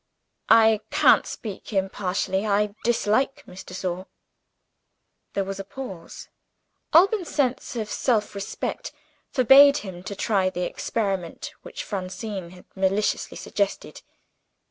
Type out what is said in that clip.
"I can't speak impartially; I dislike Miss de Sor." There was a pause. Alban's sense of self respect forbade him to try the experiment which Francine had maliciously suggested.